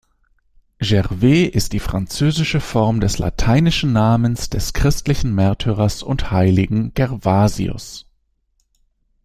Gervais ist die französische Form des lateinischen Namens des christlichen Märtyrers und Heiligen Gervasius.